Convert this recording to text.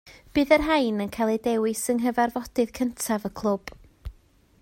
Bydd y rhain yn cael eu dewis yng nghyfarfodydd cyntaf y clwb